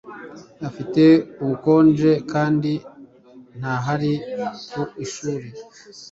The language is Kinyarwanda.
Afite ubukonje kandi ntahari ku ishuri